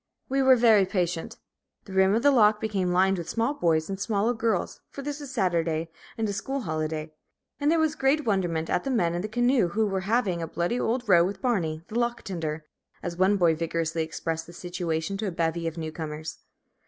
We were very patient. The rim of the lock became lined with small boys and smaller girls, for this is Saturday, and a school holiday; and there was great wonderment at the men in the canoe, who "were having a bloody old row with Barney, the lock tinder," as one boy vigorously expressed the situation to a bevy of new comers.